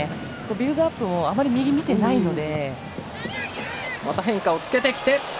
ビルドアップもあまり右、見てないので。